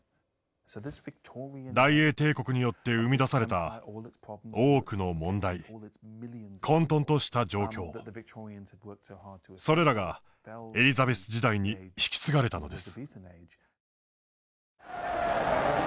大英帝国によって生み出された多くの問題混とんとした状況それらがエリザベス時代に引き継がれたのです。